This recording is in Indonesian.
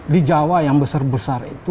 di jawa yang besar besar itu